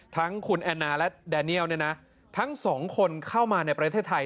ทั้งคุณแอนนาและแดเนียลเนี่ยนะทั้งสองคนเข้ามาในประเทศไทย